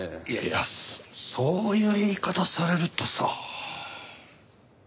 いやいやそういう言い方されるとさ。